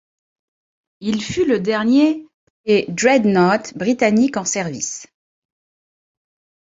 Il fut le dernier pré-dreadnought britannique en service.